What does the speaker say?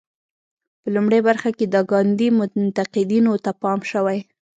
په لومړۍ برخه کې د ګاندي منتقدینو ته پام شوی.